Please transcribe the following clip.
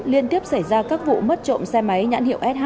liên tiếp xảy ra các vụ mất trộm xe máy nhãn hiệu sh